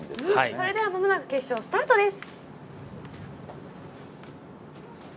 それでは間もなく決勝スタートです。